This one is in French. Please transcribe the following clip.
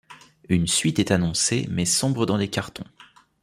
Une suite est annoncée mais sombre dans les cartons.